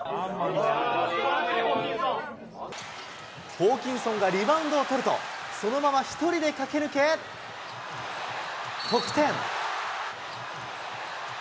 ホーキンソンがリバウンドをとると、そのまま１人で駆け抜け、得点。